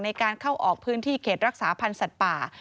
ในการเข้าออกพื้นที่เขตรักษาพันธ์สัตว์ป่า